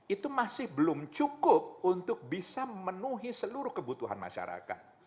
itu masih belum cukup untuk bisa memenuhi seluruh kebutuhan masyarakat